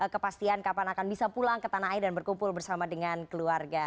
kepastian kapan akan bisa pulang ke tanah air dan berkumpul bersama dengan keluarga